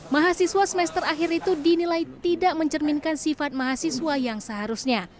mahasiswa semester akhir itu dinilai tidak mencerminkan sifat mahasiswa yang seharusnya